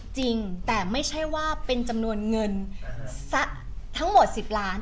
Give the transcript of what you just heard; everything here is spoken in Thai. จริงแต่ไม่ใช่ว่าเป็นจำนวนเงินทั้งหมด๑๐ล้าน